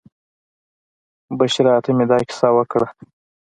بشرا ته مې دا کیسه وکړه.